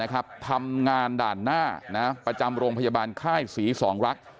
ทำงานด่านหน้าประจำโรงพยาบาลค่ายศรีสองรัก